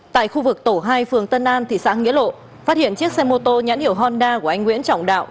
tại khu vực tổ hai phường tân an thị xã nghĩa lộ phát hiện chiếc xe mô tô nhãn hiệu honda của anh nguyễn trọng đạo